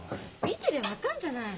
見てりゃ分かんじゃない。